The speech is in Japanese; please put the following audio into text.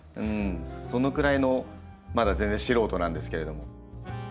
そのくらいのまだ全然素人なんですけれども。